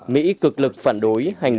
mỹ cực lực phản đối